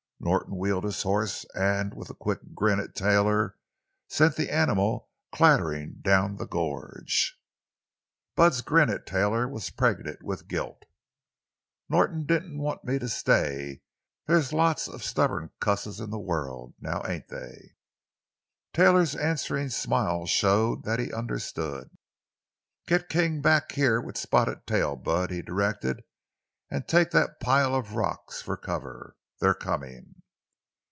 Norton wheeled his horse, and, with a quick grin at Taylor, sent the animal clattering down the gorge. Bud's grin at Taylor was pregnant with guilt. "Norton didn't want me to stay. There's lots of stubborn cusses in the world—now, ain't they?" Taylor's answering smile showed that he understood. "Get King back here with Spotted Tail, Bud!" he directed. "And take that pile of rocks for cover. They're coming!"